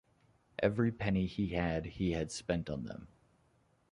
Every penny he had he had spent on them.